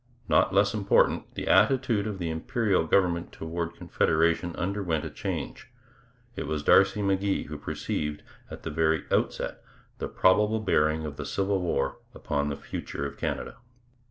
Not less important, the attitude of the Imperial government toward Confederation underwent a change. It was D'Arcy McGee who perceived, at the very outset, the probable bearing of the Civil War upon the future of Canada.